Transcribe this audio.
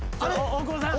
大久保さん？